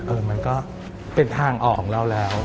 มันก็เป็นทางออกของเราแล้ว